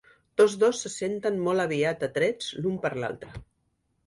Tots dos se senten molt aviat atrets l'un per l'altre.